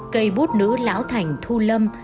cây bút nữ lão thành thu lâm